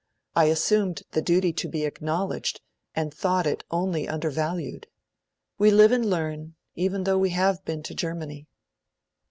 I assumed the duty to be acknowledged and thought it only undervalued.' We live and learn, even though we have been to Germany.